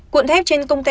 cuộn thép trên công ty